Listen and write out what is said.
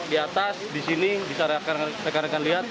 di atas di sini bisa rekan rekan lihat